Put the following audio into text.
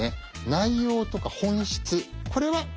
内容とか本質これは変えない。